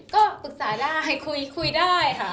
ก็ปรึกษาได้คุยคุยได้ค่ะ